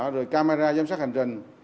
rồi camera giám sát hành trình